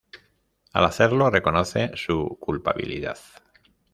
Al hacerlo reconoce su culpabilidad.